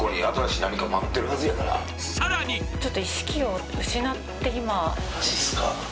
さらにちょっと意識を失って今マジっすか！？